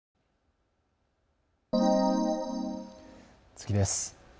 次です。